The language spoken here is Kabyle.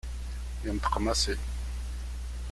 Yenṭeq Massi.